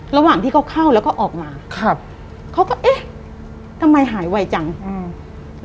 ระหว่างที่เขาเข้าแล้วก็ออกมาครับเขาก็เอ๊ะทำไมหายไวจังอืม